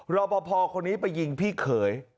รอปภคนนี้ไปยิงพี่เขย